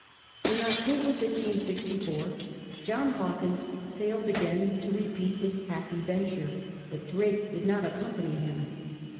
In October, 1564, John Haw kins sailed again to repeat his happy venture, but Drake did not accompany him.